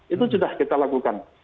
itu sudah kita lakukan